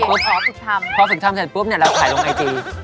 ก็ฝึกทำพอฝึกทำแหละปลู๊บเราก็ถ่ายลงไอจี